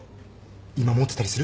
今持ってたりする？